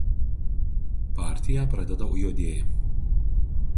Partiją pradeda juodieji.